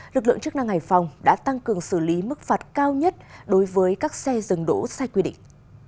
lực lượng chức năng hải phòng đã tăng cường xử lý mức phạt cao nhất đối với các xe dừng đỗ sai quy định